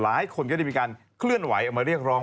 หลายคนก็ได้มีการเคลื่อนไหวออกมาเรียกร้อง